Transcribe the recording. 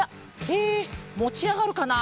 えもちあがるかな？